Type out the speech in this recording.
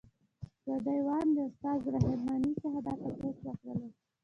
ګاډی وان د استاد رحماني څخه دا تپوس وکړلو.